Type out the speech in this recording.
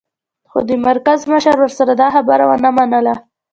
خو د مرکز مشر ورسره دا خبره و نه منله